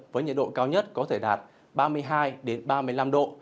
với nhiệt độ cao nhất có thể đạt ba mươi hai ba mươi năm độ